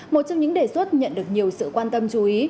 một trong những đề xuất nhận được nhiều sự quan tâm chú ý